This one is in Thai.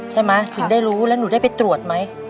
ได้หมะถึงได้รู้แล้วหนูได้ไปตรวจมั้ย